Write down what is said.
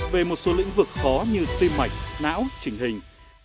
về một số lĩnh vực khó như tim mạch não trình hình